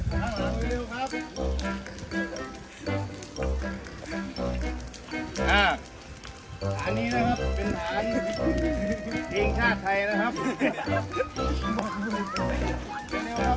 อันนี้นะครับเป็นฐานทีมชาติไทยนะครับ